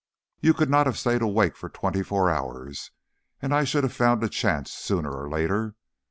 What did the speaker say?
"You could not have stayed awake for twenty four hours, and I should have found a chance sooner or later.